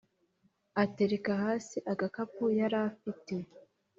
atereka hasi agakapu yarafite